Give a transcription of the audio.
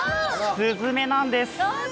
すずめなんです。